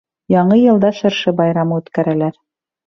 Яңы йылда шыршы байрамы үткәрәләр